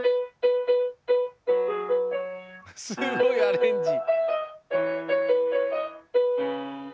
すごいアレンジ。